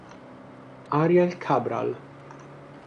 Ariel Cabral